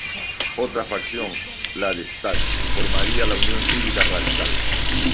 Otra facción, la de Stack, formaría la Unión Cívica Radical.